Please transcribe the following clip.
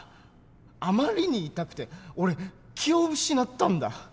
あまりに痛くて俺気を失ったんだ。